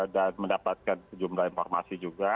dan mendapatkan sejumlah informasi juga